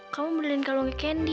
kamu berlindung ke candy